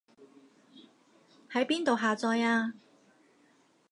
喺邊度下載啊